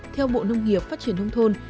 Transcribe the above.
theo bộ nông nghiệp phát triển thông thôn